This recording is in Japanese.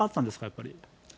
やっぱり。